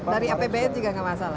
dari apb nya juga nggak masalah